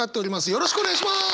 よろしくお願いします！